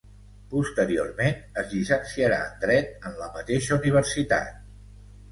Posteriorment es llicenciarà en Dret en la mateixa universitat.